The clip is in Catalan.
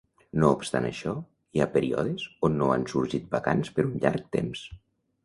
No obstant això, hi ha períodes on no han sorgit vacants per un llarg temps.